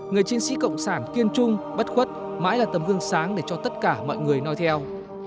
người chiến sĩ cộng sản kiên trung bất khuất mãi là tầm gương sáng để cho tất cả mọi người nói theo